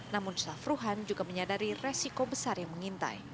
namun syafruhan juga menyadari resiko besar yang mengintai